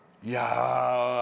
いやぁ。